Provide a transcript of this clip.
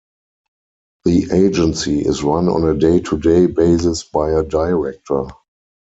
The agency is run on a day-to-day basis by a Director.